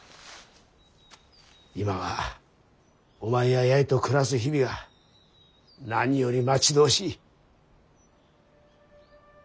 今はお前や八重と暮らす日々が何より待ち遠しい。